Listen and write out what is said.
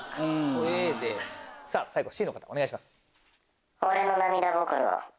最後Ｃの方お願いします。